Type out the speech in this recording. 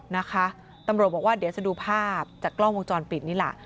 นะคะตำรวจบอกว่าเดี๋ยวจะดูภาพจากกล้องวงจรปิดนี่แหละ